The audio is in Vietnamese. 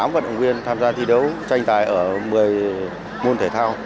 chín mươi tám vận động viên tham gia thi đấu cho anh tài ở một mươi môn thể thao